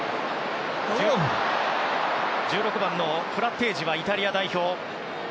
１６番、フラッテージはイタリア代表。